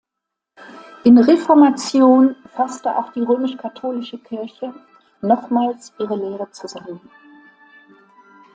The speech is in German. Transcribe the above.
In Reformation fasste auch die römisch-katholische Kirche nochmals ihre Lehre zusammen.